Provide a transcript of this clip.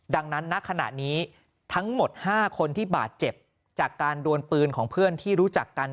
ดังนั้นณขณะนี้ทั้งหมด๕คนที่บาดเจ็บจากการดวนปืนของเพื่อนที่รู้จักกัน